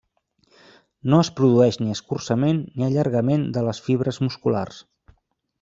No es produeix ni escurçament ni allargament de les fibres musculars.